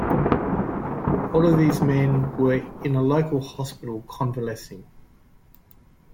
All of these men were in a local hospital "convalescing".